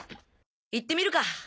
行ってみるか！